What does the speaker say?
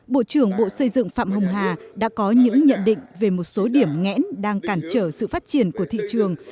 bộ trưởng bộ xây dựng phạm hồng hà đã có những nhận định về một số điểm ngẽn đang cản trở sự phát triển của thị trường